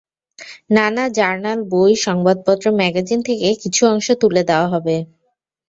নানা জার্নাল, বই, সংবাদপত্র, ম্যাগাজিন থেকে কিছু অংশ তুলে দেওয়া হবে।